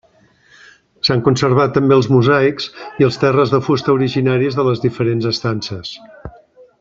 S'han conservat també els mosaics i els terres de fusta originaris de les diferents estances.